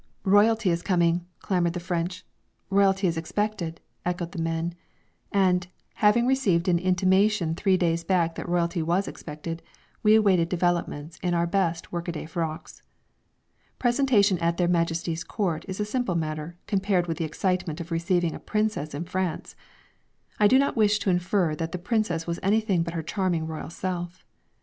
"Royalty is coming," clamoured the French. "Royalty is expected," echoed the men. And, having received an intimation three days back that Royalty was expected, we awaited developments in our best workaday frocks. Presentation at their Majesties' Court is a simple matter compared with the excitement of receiving a Princess in France. I do not wish to infer that the Princess was anything but her charming Royal self!